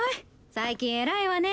最近偉いわね。